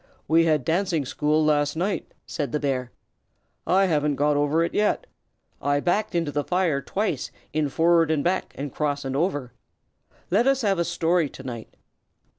"We had dancing school last night," said the bear. "I haven't got over it yet. I backed into the fire twice in 'forward and back, and cross over.' Let us have a story to night."